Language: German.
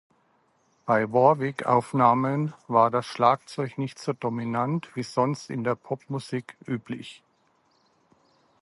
Bei Warwick-Aufnahmen war das Schlagzeug nicht so dominant wie sonst in der Popmusik üblich.